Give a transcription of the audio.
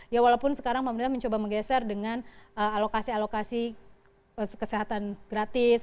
ya walaupun sekarang pemerintah mencoba menggeser dengan alokasi alokasi kesehatan gratis